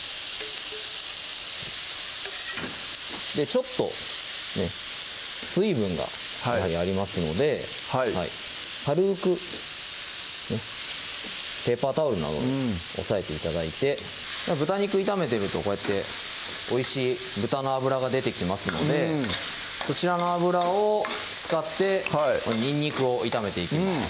ちょっと水分がやはりありますのではい軽くペーパータオルなどで押さえて頂いて豚肉炒めてるとこうやっておいしい豚の脂が出てきますのでこちらの脂を使ってにんにくを炒めていきます